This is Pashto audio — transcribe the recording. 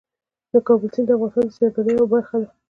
د کابل سیند د افغانستان د سیلګرۍ یوه برخه ده.